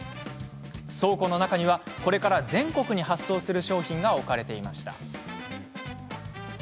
倉庫の中にはこれから全国に発送する商品が置かれていました。